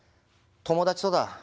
友達とだ。